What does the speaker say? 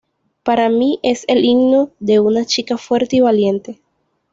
Para mí es el himno de una chica fuerte y valiente.